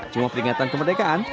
cuma peringatan kemerdekaan